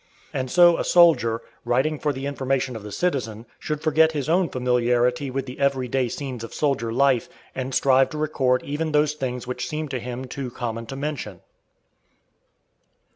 And so a soldier, writing for the information of the citizen, should forget his own familiarity with the every day scenes of soldier life and strive to record even those things which seem to him too common to mention.